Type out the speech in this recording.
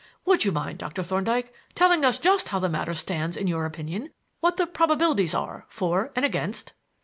Would you mind, Doctor Thorndyke, telling us just how the matter stands in your opinion what the probabilities are, for and against?"